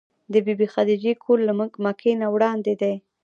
د بي بي خدېجې کور له مکې نه وړاندې دی.